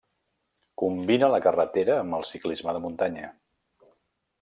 Combina la carretera amb el ciclisme de muntanya.